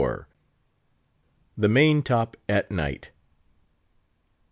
THE MAIN TOP AT NIGHT.